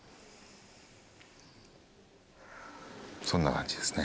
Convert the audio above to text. そんな感じですね